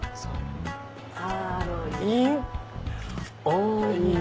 サーロイン。